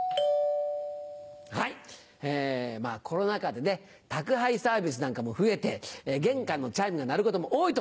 はいコロナ禍で宅配サービスなんかも増えて玄関のチャイムが鳴ることも多いと思います。